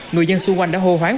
người dân xung quanh đã hô hoáng